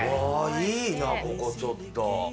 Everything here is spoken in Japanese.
いいなここちょっと。